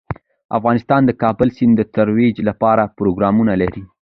افغانستان د کابل سیند د ترویج لپاره پروګرامونه لري.